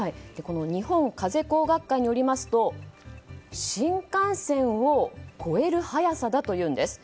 日本風工学会によりますと新幹線を超える速さだというです。